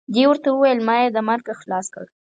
دې ورته وویل ما یې د مرګه خلاص کړ.